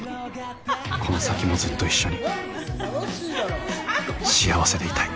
この先もずっと一緒に幸せでいたい